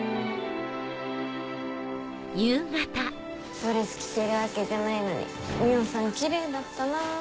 ドレス着てるわけじゃないのに海音さんキレイだったなぁ。